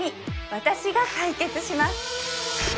私が解決します